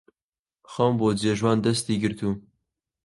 خەم بۆ جێژوان دەستی گرتووم